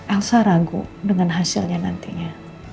angsa ragu dengan hasilnya nantinya